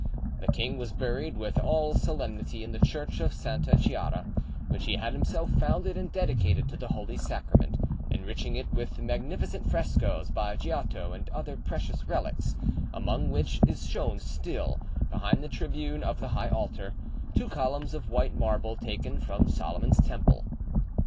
The king was buried with all solemnity in the church of Santa Chiara, which he had himself founded and dedicated to the Holy Sacrament, enriching it with magnificent frescoes by Giotto and other precious relics, among which is shown still, behind the tribune of the high altar, two columns of white marble taken from Solomon's temple.